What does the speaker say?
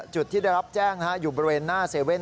จุดที่ได้รับแจ้งอยู่บริเวณหน้า๗๑๑